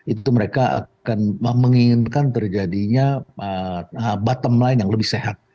itu mereka akan menginginkan terjadinya bottom line yang lebih sehat